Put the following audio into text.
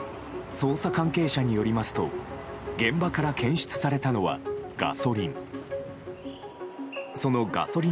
捜査関係者によりますと現場から検出されたのはガソリン。